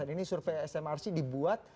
ini survei smrc dibuat